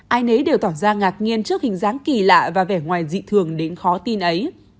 ai nấy đều tỏ ra ngạc nhiên trước hình dáng kỳ lạ và vẻ ngoài dị thường đến khó tin ấy